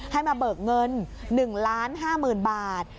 ให้มาเบิกเงิน๑๕๐๐๐บาท